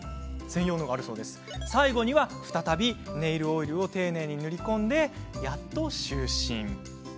最後には再びネイルオイルを丁寧に塗り込んでやっと就寝。